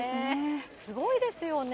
すごいですよね。